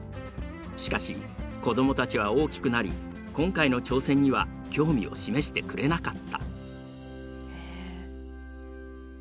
しかし子どもたちは大きくなり今回の挑戦には興味を示してくれなかった。